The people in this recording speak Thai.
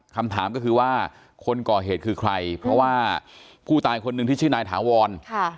คำถามก็คือว่าคนก่อเหตุคือใครเพราะว่าผู้ตายคนหนึ่งที่ชื่อนายถาวร